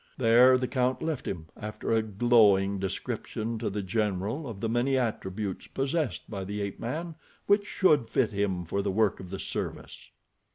There the count left him, after a glowing description to the general of the many attributes possessed by the ape man which should fit him for the work of the service.